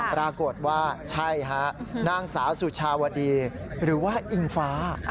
ปรากฏว่าใช่ฮะนางสาวสุชาวดีหรือว่าอิงฟ้า